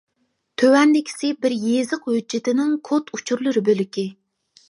تۆۋەندىكىسى بىر يېزىق ھۆججىتىنىڭ كود ئۇچۇرلىرى بۆلىكى.